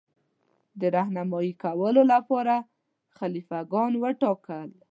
د رهنمايي کولو لپاره خلیفه ګان وټاکل.